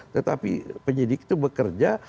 tetapi penyidik itu bekerja